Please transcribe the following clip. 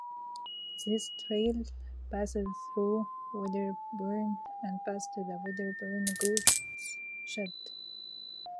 This trail passes through Wedderburn and past the Wedderburn goods shed.